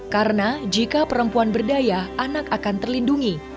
karena jika perempuan berdaya anak akan terlindungi